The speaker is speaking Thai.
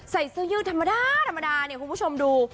ใส่เสื้อยืดธรรมดาพูดผู้ชมดู